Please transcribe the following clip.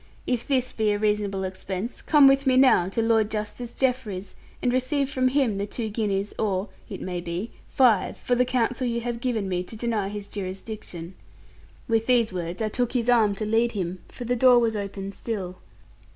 If this be a reasonable expense, come with me now to Lord Justice Jeffreys, and receive from him the two guineas, or (it may be) five, for the counsel you have given me to deny his jurisdiction.' With these words, I took his arm to lead him, for the door was open still.